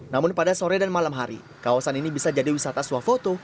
namun pada sore dan malam hari kawasan ini bisa jadi wisata swafoto